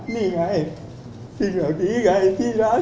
นี่ไงสิ่งเหล่านี้ไงที่รัก